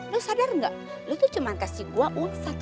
lo sadar gak lo tuh cuma kasih gue